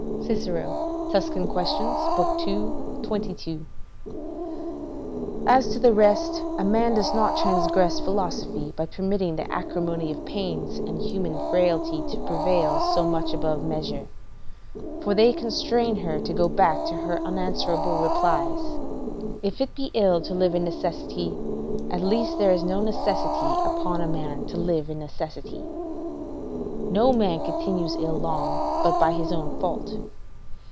Cicero, Tusc. Quaes., ii. 22.] As to the rest, a man does not transgress philosophy by permitting the acrimony of pains and human frailty to prevail so much above measure; for they constrain her to go back to her unanswerable replies: "If it be ill to live in necessity, at least there is no necessity upon a man to live in necessity": "No man continues ill long but by his own fault."